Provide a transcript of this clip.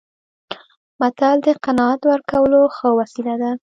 متل د قناعت ورکولو ښه وسیله ده